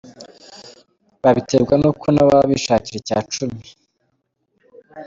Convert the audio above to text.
Babiterwa nuko nabo baba bishakira icyacumi.